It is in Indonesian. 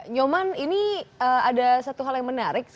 nyoman ini ada satu hal yang menarik